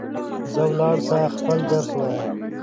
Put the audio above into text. ځه ولاړ سه ، خپل درس ووایه